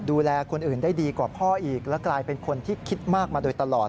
ดูแลคนอื่นได้ดีกว่าพ่ออีกและกลายเป็นคนที่คิดมากมาโดยตลอด